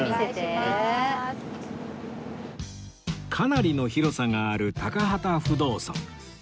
かなりの広さがある高幡不動尊